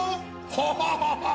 ハハハハ！